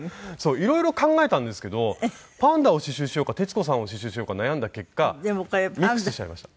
色々考えたんですけどパンダを刺繍しようか徹子さんを刺繍しようか悩んだ結果ミックスしちゃいました。